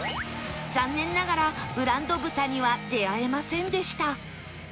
残念ながらブランド豚には出会えませんでした